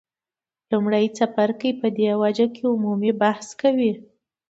لومړی څپرکی په دې برخه کې عمومي بحث کوي.